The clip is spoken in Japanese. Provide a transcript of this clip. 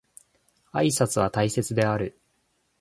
挨拶は大切である